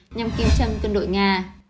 nhằm kiếm châm quân đội nga